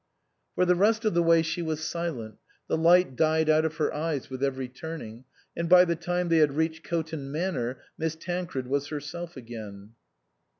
For the rest of the way she was silent, the light died out of her eyes with every turning, and by the time they had reached Coton Manor Miss Tancred was herself again.